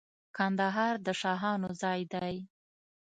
کندهار د شاهانو ځای دی.